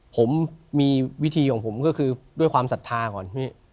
ผมมีวิธีของผมก็คือด้วยความศรัทธาก่อน